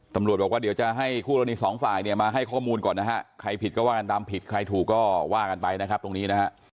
ตำรวจบอกว่าเดี๋ยวจะให้คู่กรณีสองฝ่ายเนี่ยมาให้ข้อมูลก่อนนะฮะใครผิดก็ว่ากันตามผิดใครถูกก็ว่ากันไปนะครับตรงนี้นะฮะ